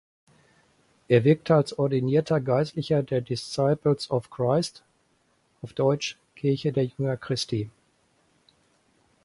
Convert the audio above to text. Er wirkte als ordinierter Geistlicher der Disciples of Christ („Kirche der Jünger Christi“).